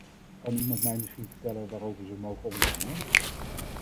Kan iemand mij misschien vertellen waarover ze mogen onderhandelen?